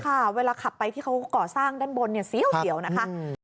ค่ะเวลาขับไปที่เขาก่อสร้างด้านบนเนี่ยเสียวนะคะ